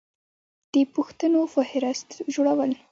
د پوښتنو فهرست جوړول